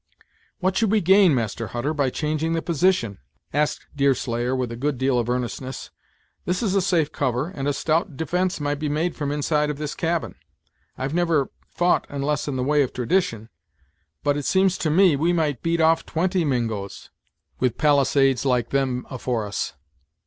"What should we gain, Master Hutter, by changing the position?" asked Deerslayer, with a good deal of earnestness; "this is a safe cover, and a stout defence might be made from the inside of this cabin. I've never fou't unless in the way of tradition; but it seems to me we might beat off twenty Mingos, with palisades like them afore us."